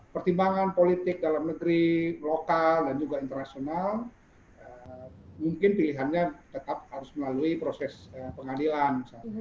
pertimbangan politik dalam negeri lokal dan juga internasional mungkin pilihannya tetap harus melalui proses pengadilan